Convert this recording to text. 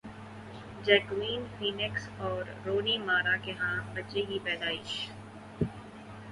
Joaquin Phoenix اور Rooney Mara کے ہاں بچے کی پیدائش